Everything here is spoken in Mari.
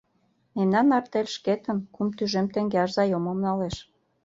— Мемнан артель шкетын кум тӱжем теҥгеаш заёмым налеш.